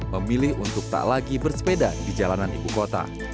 memilih untuk tak lagi bersepeda di jalanan ibu kota